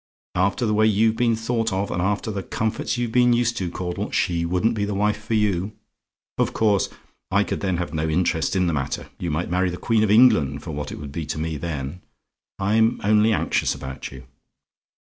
After the way you've been thought of, and after the comforts you've been used to, Caudle, she wouldn't be the wife for you. Of course I could then have no interest in the matter you might marry the Queen of England, for what it would be to me then I'm only anxious about you.